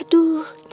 bikin dia dingin gitu